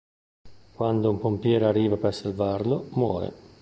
Quando un pompiere arriva per salvarlo, muore.